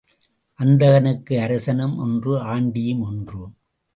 அந்தகனுக்கு அரசனும் ஒன்று ஆண்டியும் ஒன்று.